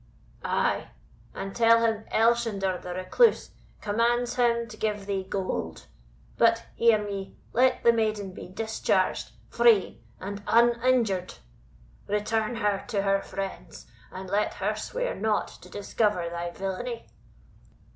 "Ay; and tell him, Elshender the Recluse commands him to give thee gold. But, hear me, let the maiden be discharged free and uninjured; return her to her friends, and let her swear not to discover thy villainy."